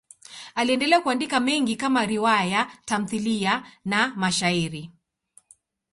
Aliendelea kuandika mengi kama riwaya, tamthiliya na mashairi.